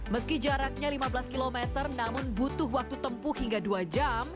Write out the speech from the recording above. meski jaraknya lima belas km namun butuh waktu tempuh hingga dua jam